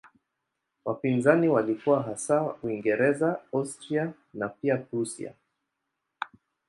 Wapinzani walikuwa hasa Uingereza, Austria na pia Prussia.